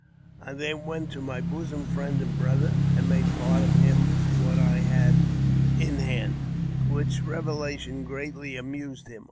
I then went to my bosom friend and brother, and made part to him of what I had in hand, which revelation greatly amused him.